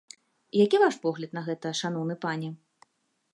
Які ваш погляд на гэта, шаноўны пане?